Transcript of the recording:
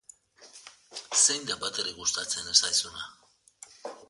Zein da batere gustatzen ez zaizuna?